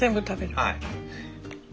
はい。